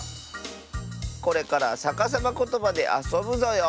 これからさかさまことばであそぶぞよ。